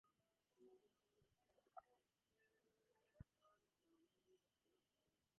Bauman was fond of practical jokes, often taking a quite malicious character.